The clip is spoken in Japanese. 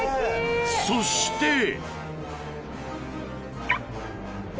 ［そして］